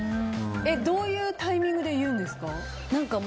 どういうタイミングで言うんですか？